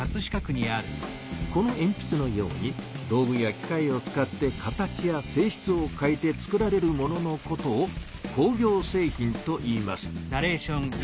このえんぴつのように道具や機械を使って形やせいしつを変えてつくられるもののことを工業製品といいます。